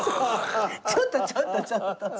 ちょっとちょっとちょっと。